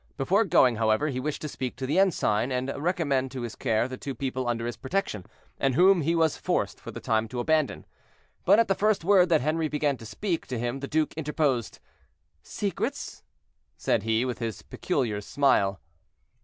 Before going, however, he wished to speak to the ensign, and recommend to his care the two people under his protection, and whom he was forced for the time to abandon. But at the first word that Henri began to speak to him the duke interposed. "Secrets?" said he, with his peculiar smile.